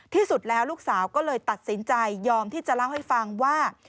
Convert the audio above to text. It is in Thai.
ที่สุดแล้วลูกสาวก็เลยตัดสินใจยอมที่จะเล่าให้ฟังว่า